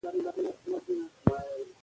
آیا ته کولای شې دا پیغام ولیکې؟